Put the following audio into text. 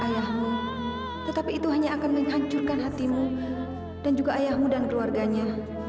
ayahmu tetapi itu hanya akan menghancurkan hatimu dan juga ayahmu dan keluarganya